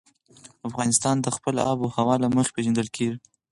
افغانستان د خپلې آب وهوا له مخې پېژندل کېږي.